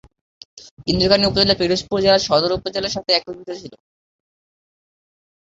ইন্দুরকানী উপজেলা পিরোজপুর জেলার সদর উপজেলার সাথে একীভূত ছিল।